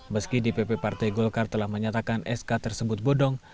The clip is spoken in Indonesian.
meski dpp partai golkar telah menyatakan sk tersebut bodong